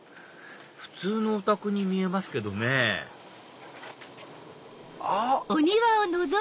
普通のお宅に見えますけどねあっ！